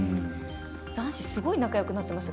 男子すごい仲よくなってました。